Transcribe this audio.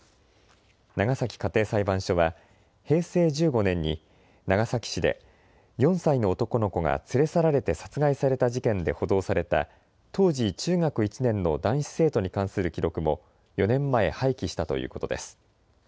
長崎家庭裁判所は平成１５年に長崎市で４歳の男の子が連れ去られて殺害された事件で補導された当時中学１年の男子生徒に関する記録も４年前、廃棄したということです。